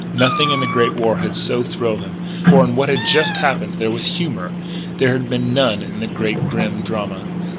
Nothing in the Great War had so thrilled him. For, in what had just happened, there was humour. There had been none in the Great Grim Drama.